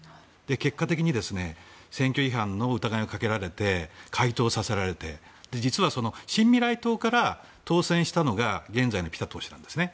結果的に選挙違反の疑いがかけられて解党させられて実は新未来党から当選したのが現在のピタ党首なんですね。